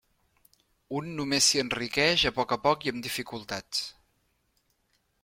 Un només s'hi enriqueix a poc a poc i amb dificultats.